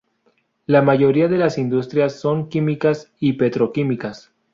La mayoría de las industrias son químicas y petroquímicas.